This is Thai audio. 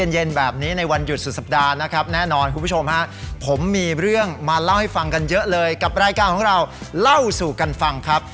อย่าลืมเล่าสู่กันฟัง